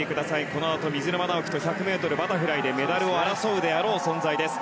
このあと水沼尚輝と１００ｍバタフライでメダルを争うであろう存在です。